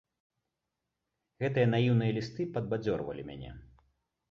Гэтыя наіўныя лісты падбадзёрвалі мяне.